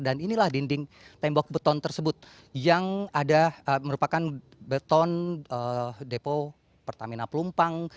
dan inilah dinding tembok beton tersebut yang ada merupakan beton depo pertamina pelumpang